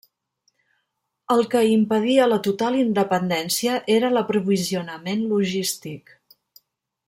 El que impedia la total independència era l'aprovisionament logístic.